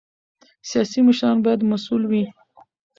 سیاسي مشران باید مسؤل وي